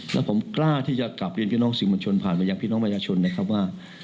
และผมกล้าที่จะกลับเรียนพี่น้องสื่อมวลชนผ่านไปยังพี่น้องประชาชนนะครับว่า